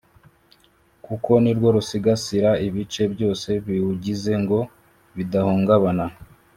Kuko ni rwo rusigasira ibice byose biwugize ngo bidahungabana